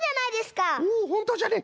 おおほんとじゃね。